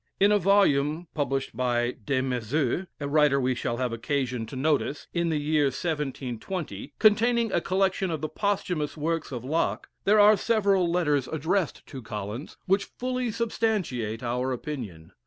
In a volume published by P. Des Maizeaux (a writer we shall have occasion to notice) in the year 1720, containing a collection of the posthumous works of Locke, there are several letters addressed to Collins which fully substantiate our opinion.